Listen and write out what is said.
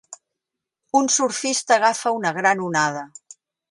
Un surfista agafa una gran onada.